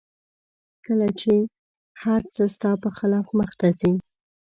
کله چې هر څه ستا په خلاف مخته ځي